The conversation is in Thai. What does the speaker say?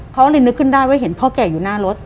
เขาเลยนึกขึ้นได้ว่าเห็นพ่อแก่อยู่หน้ารถ